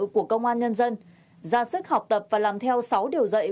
của công an nhân dân ra sức học tập và làm theo sáu điều dạy